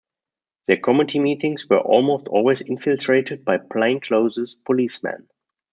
Their committee meetings were almost always infiltrated by plainclothes policemen.